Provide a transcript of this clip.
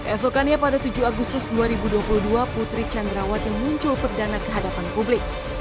esokannya pada tujuh agus sus dua ribu dua puluh dua putri candrawat yang muncul perdana kehadapan publik